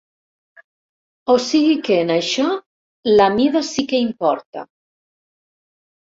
O sigui que, en això, la mida "sí que importa".